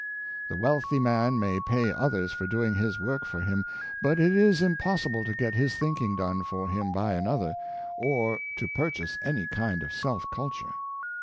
The wealthy man may pay others for doing his work for him, but it is impossible to ;'^et his thinking done for him by another, or to purchase any kind of self culture.